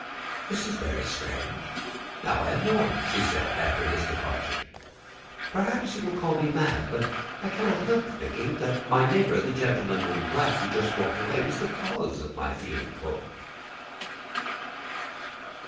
"This is very strange! now I am warm," she said, after his departure. "Perhaps you will call me mad, but I cannot help thinking that my neighbor, the gentleman in black who just walked away, was the cause of my feeling cold."